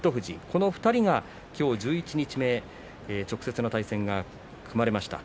この２人が今日、十一日目直接の対戦が組まれました。